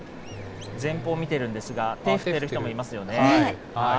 前方見てるんですが、手振ってる人もいますよね。